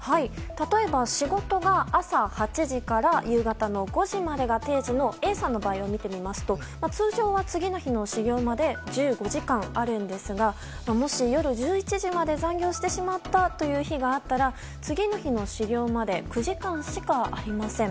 例えば仕事が朝８時から夕方の５時までが定時のＡさんの場合を見てみますと次の仕事まで１５時間あるんですがもし、夜１１時まで残業してしまったという日があったら次の日の始業まで９時間しかありません。